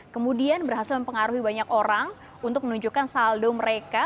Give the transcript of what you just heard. kemudian berhasil mempengaruhi banyak orang untuk menunjukkan saldo mereka